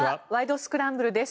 スクランブル」です。